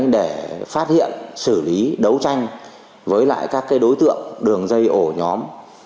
để phát hiện xử lý đấu tranh với lại các đối tượng đường dây ổ nhóm